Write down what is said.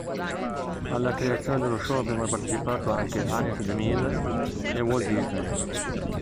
Alla creazione dello show avevano partecipato anche Agnes De Mille e Walt Disney.